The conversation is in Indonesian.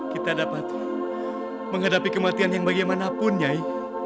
kita dapat menghadapi kematian yang bagaimanapun nyai